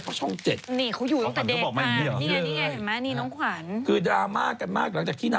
เป็นไปได้นะเราต้องดูก่อนน่ะ